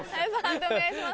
判定お願いします。